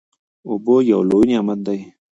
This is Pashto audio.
اوبه یو لوی نعمت دی.